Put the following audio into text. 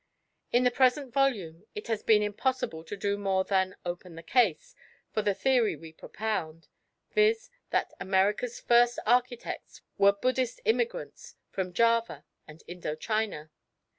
In the present volume it has been impossible to do more than "open the case" for the theory we propound, viz. that America's first architects were Buddhist immigrants from Java and Indo China.